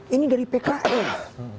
ini dari pks